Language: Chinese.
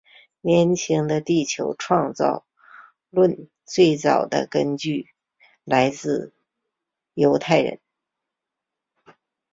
年轻地球创造论最早的根源来自犹太教。